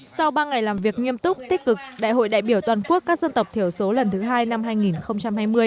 sau ba ngày làm việc nghiêm túc tích cực đại hội đại biểu toàn quốc các dân tộc thiểu số lần thứ hai năm hai nghìn hai mươi